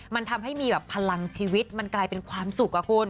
มันทำให้มีแบบพลังชีวิตมันกลายเป็นความสุขอะคุณ